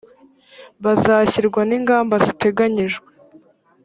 bizashyirwa n ingamba ziteganyijwe